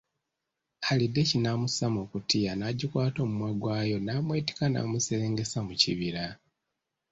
Aliddeki namussa mu kkutiya n’agikwata omumwa gwayo namwetikka namuserengesa mu kibira.